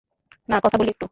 না, কথা বলি একটু?